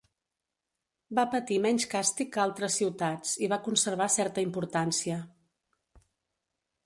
Va patir menys càstig que altres ciutats i va conservar certa importància.